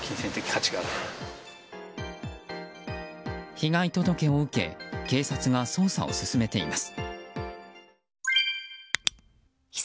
被害届を受け警察が捜査を進めています。